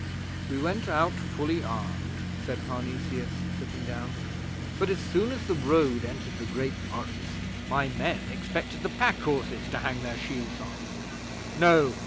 'We went out fully armed,' said Parnesius, sitting down; 'but as soon as the road entered the Great Forest, my men expected the pack horses to hang their shields on. "No!"